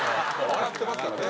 笑ってますからね。